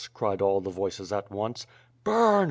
cried all the voices at once. "Burn!